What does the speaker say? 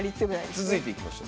続いていきましょう。